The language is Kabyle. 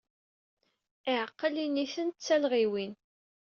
Iɛeqqel ini-ten ed talɣiwin.